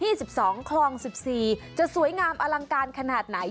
ที่สิบสองครองสิบสี่จะสวยงามอลังการขนาดไหน